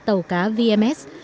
tàu cá vms